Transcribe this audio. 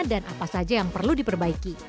dan apa saja yang perlu diperbaiki